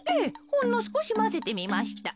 ほんのすこしまぜてみました。